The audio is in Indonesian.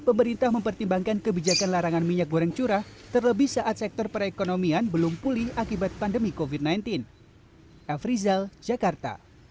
pemerintah mempertimbangkan kebijakan larangan minyak goreng curah terlebih saat sektor perekonomian belum pulih akibat pandemi covid sembilan belas